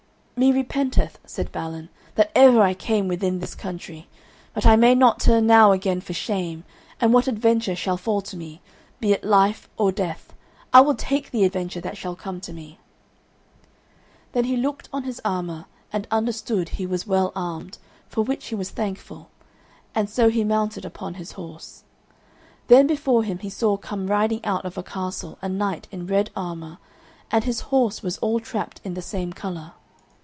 "Me repenteth," said Balin, "that ever I came within this country, but I may not turn now again for shame, and what adventure shall fall to me, be it life or death, I will take the adventure that shall come to me." Then he looked on his armour, and understood he was well armed, for which he was thankful, and so he mounted upon his horse. Then before him he saw come riding out of a castle a knight in red armour, and his horse was all trapped in the same colour.